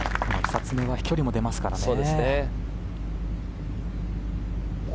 久常は飛距離も出ますからね。